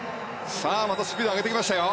またスピードを上げてきましたよ。